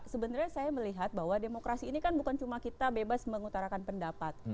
sebenarnya saya melihat bahwa demokrasi ini kan bukan cuma kita bebas mengutarakan pendapat